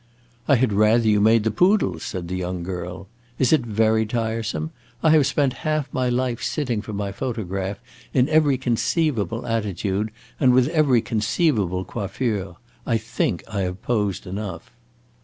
"I had rather you made the poodle's," said the young girl. "Is it very tiresome? I have spent half my life sitting for my photograph, in every conceivable attitude and with every conceivable coiffure. I think I have posed enough."